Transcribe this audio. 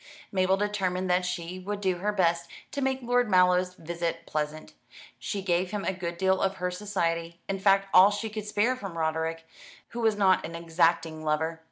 Mabel determined that she would do her best to make Lord Mallow's visit pleasant. She gave him a good deal of her society, in fact all she could spare from Roderick, who was not an exacting lover.